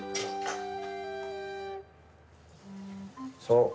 そう。